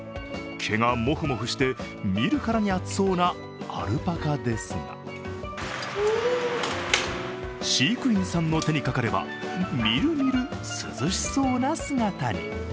毛がもふもふして見るからに暑そうなアルパカですが飼育員さんの手にかかればみるみる涼しそうな姿に。